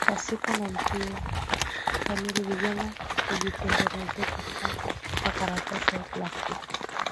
Pasipo na mpira kamili vijana hujitengenezea kifaa kwa karatasi au plastiki